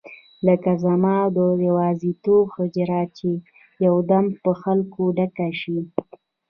لکه زما د یوازیتوب حجره چې یو دم په خلکو ډکه شي.